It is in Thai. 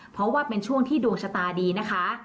เพราะว่าเป็นช่วงที่ดวงชะตาดีนะคะ